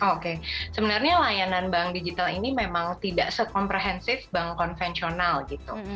oke sebenarnya layanan bank digital ini memang tidak sekomprehensif bank konvensional gitu